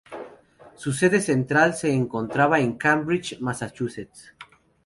Su sede central se encontraba en Cambridge, Massachusetts.